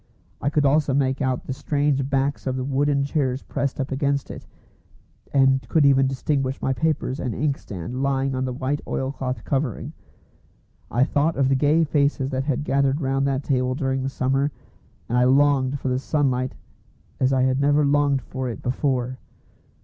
I could also make out the straight backs of the wooden chairs pressed up against it, and could even distinguish my papers and inkstand lying on the white oilcloth covering. I thought of the gay faces that had gathered round that table during the summer, and I longed for the sunlight as I had never longed for it before.